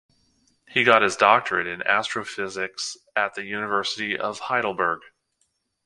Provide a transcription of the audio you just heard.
He got his doctorate in Astrophysics at the University of Heidelberg.